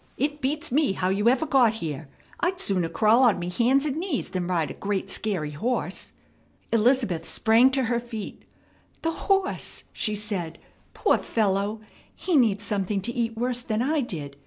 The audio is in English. "It beats me how you ever got here. I'd sooner crawl on me hands and knees than ride a great, scary horse." Elizabeth sprang to her feet. "The horse!" she said. "Poor fellow! He needs something to eat worse than I did.